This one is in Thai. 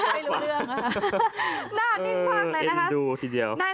หน้าจริงเพิ่งเลยนะคะ